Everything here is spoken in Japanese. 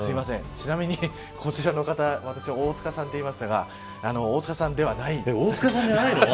ちなみに、こちらの方大塚さんと言いましたが大塚さんではないですね。